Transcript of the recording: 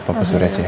papa surya sehat